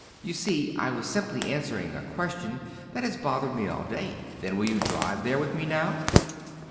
You see, I was simply answering a question that has bothered me all day. Then will you drive there with me now?"